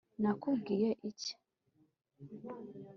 nakubwiye iki